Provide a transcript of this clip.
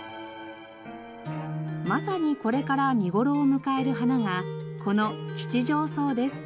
まさにこれから見頃を迎える花がこのキチジョウソウです。